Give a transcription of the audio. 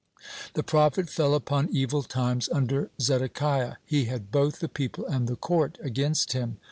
(15) The prophet fell upon evil times under Zedekiah. He had both the people and the court against him.